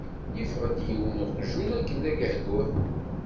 Yeffeɣ-d yiwen n weqjun akken d agehguh.